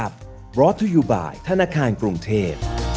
โปรดติดตามตอนต่อไป